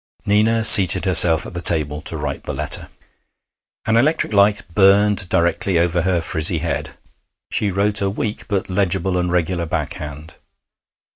Nina seated herself at the table to write the letter. An electric light burned directly over her frizzy head. She wrote a weak but legible and regular back hand.